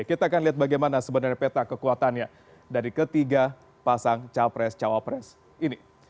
kita akan lihat bagaimana sebenarnya peta kekuatannya dari ketiga pasang capres cawapres ini